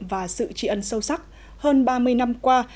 và sự tri ân sâu sắc hơn ba mươi năm qua